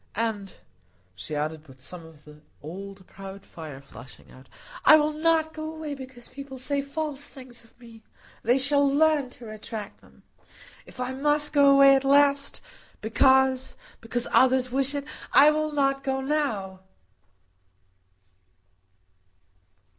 And," she added, with some of the old proud fire flashing out, "I will not go away because people say false things of me. They shall learn to retract them. If I must go away at last, because—because others wish it, I will not go now."